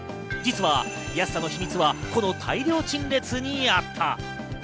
実は安さの秘密はこの大量陳列にあった。